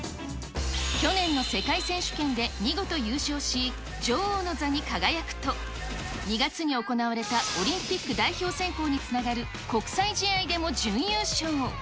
去年の世界選手権で見事優勝し、女王の座に輝くと、２月に行われたオリンピック代表選考につながる国際試合でも準優勝。